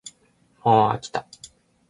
もうあきた